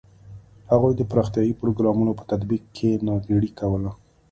هغوی د پراختیايي پروګرامونو په تطبیق کې ناغېړي کوله.